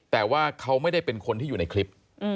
แต่ว่าเขาไม่ได้เป็นคนที่อยู่ในคลิป